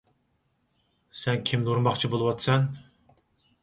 سەن كىمنى ئۇرماقچى بولۇۋاتىسەن؟